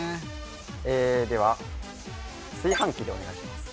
えーでは炊飯器でお願いします